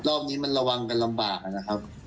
รอบนี้มันระวังกันลำบากนะครับ